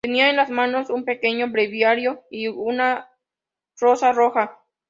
Tenía en las manos un pequeño breviario y una rosa roja.